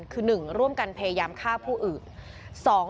คือ๑ร่วมกันพยายามฆ่าผู้อื่น